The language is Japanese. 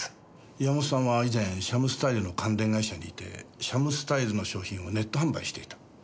山本さんは以前シャムスタイルの関連会社にいてシャムスタイルの商品をネット販売していた。